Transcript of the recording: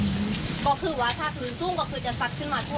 อืมก็คือว่าถ้าคือสุ่มก็คือจะสักขึ้นมาตรวจนี่